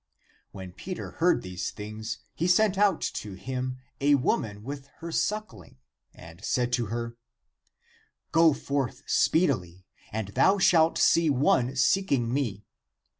When Peter heard these things, he sent to him a woman with her suckling and said to her, " Go forth speedily and thou shalt see one seeking me.